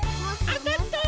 あたった！